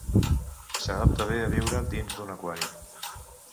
S'adapta bé a viure dins d'un aquari.